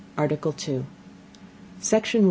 ARTICLE 2 Section 1.